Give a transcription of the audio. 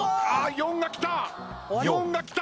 ４がきた！